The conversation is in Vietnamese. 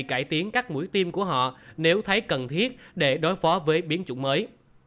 cải tiến các mũi tim của họ nếu thấy cần thiết để đối phó với biến chủng mới